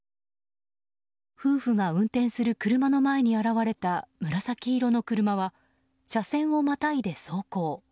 夫婦が運転する車の前に現れた紫色の車は車線をまたいで走行。